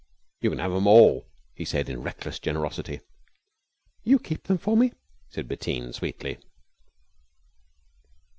"You can have 'em all," he said in reckless generosity. "You keep 'em for me," said Bettine sweetly.